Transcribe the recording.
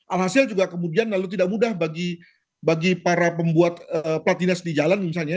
alhasil juga kemudian lalu tidak mudah bagi para pembuat plat dinas di jalan misalnya